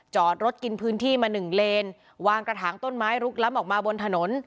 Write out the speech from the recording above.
จอดรถกินพื้นที่มาหนึ่งเลนวางกระถางต้นไม้ลุกล้ำออกมาบนถนน